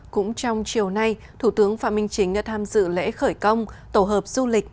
cũng trong chiều nay thủ tướng phạm minh chính đã tham dự lễ khởi công tổ hợp du lịch